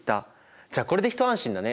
じゃあこれで一安心だね。